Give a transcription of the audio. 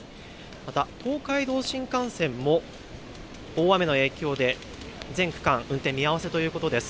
また東海道新幹線も大雨の影響で全区間運転見合わせということです。